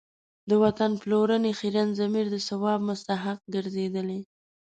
د وطن پلورنې خیرن ضمیر د ثواب مستحق ګرځېدلی.